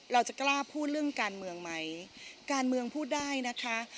เราจะกล้าพูดเรื่องการเมืองไหมการเมืองพูดได้นะคะ